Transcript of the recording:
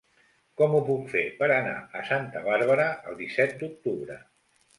Com ho puc fer per anar a Santa Bàrbara el disset d'octubre?